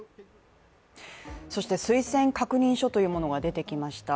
そして推薦確認書というものが出てきました。